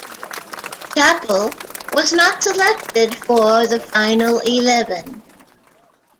Chapple was not selected for the final eleven.